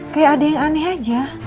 kayak ada yang aneh aja